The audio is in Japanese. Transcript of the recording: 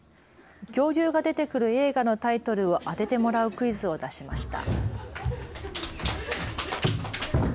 恐竜が出てくる映画のタイトルを当ててもらうクイズを出しました。